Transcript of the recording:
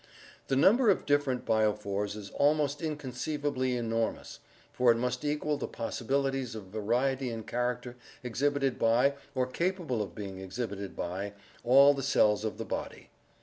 The num ber of different biophors is almost inconceivably enormous; for it must equal the possibilities of variety in character exhibited by, or capable of being exhibited by, all the cells of the body.